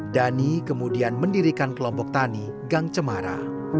dhani kemudian mendirikan kelompok tani gang cemara